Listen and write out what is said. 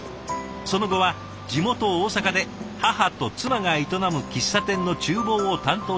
その後は地元大阪で母と妻が営む喫茶店のちゅう房を担当していました。